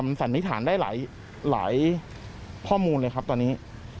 มันสันนิษฐานได้หลายข้อมูลเลยครับตอนนี้